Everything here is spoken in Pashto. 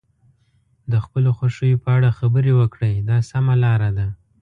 د خپلو خوښیو په اړه خبرې وکړئ دا سمه لاره ده.